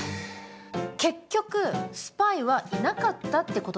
結局スパイはいなかったってことですか？